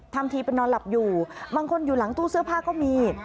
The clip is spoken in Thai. ทำทีเป็นนอนหลับอยู่บางคนอยู่หลังตู้เสื้อผ้าก็มี